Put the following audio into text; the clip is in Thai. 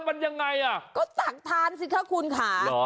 มันยังไงอ่ะก็ตักทานสิคะคุณค่ะ